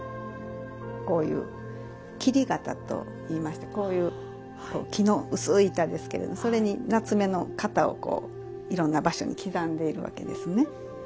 こういう切り型と言いましてこういう木の薄い板ですけれどそれに棗の型をこういろんな場所に刻んでいるわけですね。